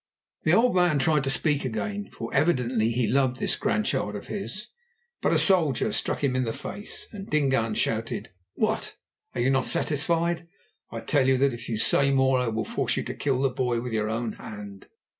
The old man tried to speak again, for evidently he loved this grandchild of his, but a soldier struck him in the face, and Dingaan shouted: "What! Are you not satisfied? I tell you that if you say more I will force you to kill the boy with your own hand.